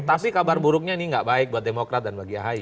tapi kabar buruknya ini gak baik buat demokrat dan bagi ahi